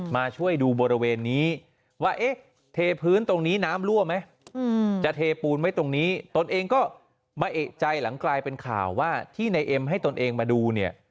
มาช่วยดูบริเวณนี้ว่าเอ๊ะเทพื้นตรงนี้น้ำรั่วไหมจะเทปูนไว้ตรงนี้ตนเองก็มาเอกใจหลังกลายเป็นข่าวว่าที่ในเอ็มให้ตนเองมาดูเนี่ย